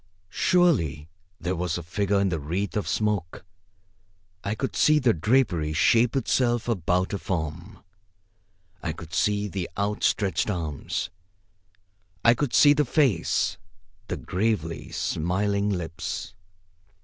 Surely there was a figure in the wreath of smoke. I could see the drapery shape itself about a form. I could see the outstretched arms. I could see the face, the gravely smiling lips.